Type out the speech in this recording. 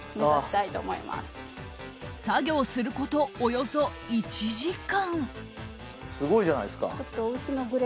作業すること、およそ１時間。